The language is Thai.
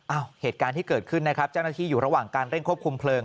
เหตุการณ์ที่เกิดขึ้นนะครับเจ้าหน้าที่อยู่ระหว่างการเร่งควบคุมเพลิง